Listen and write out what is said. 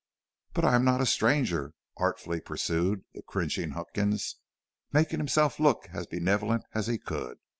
"But I am not a stranger," artfully pursued the cringing Huckins, making himself look as benevolent as he could.